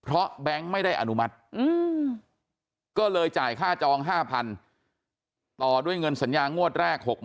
เพราะแบงค์ไม่ได้อนุมัติก็เลยจ่ายค่าจอง๕๐๐ต่อด้วยเงินสัญญางวดแรก๖๐๐๐